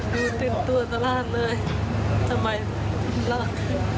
ดูตื่นตัวตลอดเลยทำไมตลอด